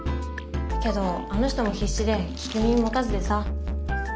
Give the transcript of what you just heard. けどあの人も必死で聞く耳持たずでさ。